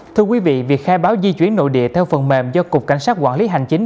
thưa quý vị việc khai báo di chuyển nội địa theo phần mềm do cục cảnh sát quản lý hành chính